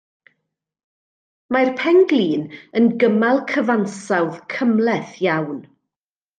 Mae'r pen-glin yn gymal cyfansawdd cymhleth iawn.